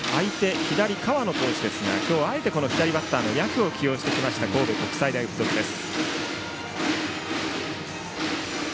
左、河野投手ですが今日はあえて左バッターの夜久を起用してきた神戸国際大付属です。